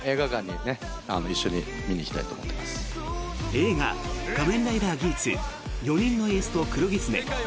映画「仮面ライダーギーツ４人のエースと黒狐」